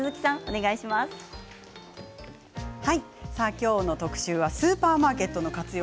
きょうの特集はスーパーマーケットの活用